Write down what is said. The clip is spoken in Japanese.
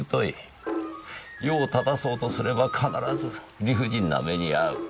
世を正そうとすれば必ず理不尽な目に遭う。